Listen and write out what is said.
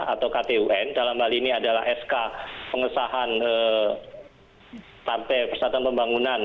atau ktun dalam hal ini adalah sk pengesahan partai persatuan pembangunan